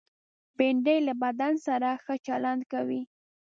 بېنډۍ له بدن سره ښه چلند کوي